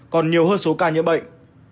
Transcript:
còn nhiều hơn số ca nhiễm bệnh